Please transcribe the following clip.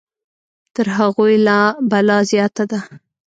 تر هغوی لا بلا زیاته ده.